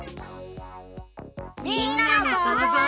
みんなのそうぞう。